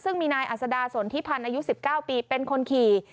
ซึ่งมีนายอัศดาสนทิพันธ์อายุ๑๙ปีเป็นคนขี่